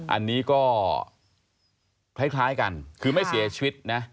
อันนี้ก็คล้ายกันคือไม่เสียชีวิตนะ